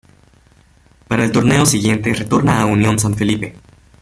Para el torneo siguiente retorna a Unión San Felipe.